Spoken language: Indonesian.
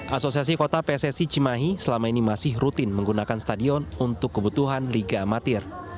asosiasi kota pssi cimahi selama ini masih rutin menggunakan stadion untuk kebutuhan liga amatir